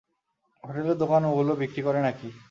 হোটেলের দোকানে ওগুলো বিক্রি করে নাকি?